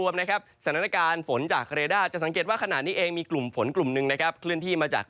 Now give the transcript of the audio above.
มีกลุ่มฝนกลุ่มนึงนะครับขึ้นที่มาจาก